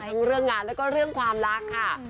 ทั้งเรื่องงานแล้วก็เรื่องความรักค่ะ